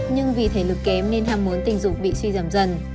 nhưng vì thể lực kém nên ham muốn tình dục bị suy giảm dần